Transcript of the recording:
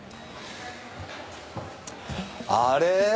あれ？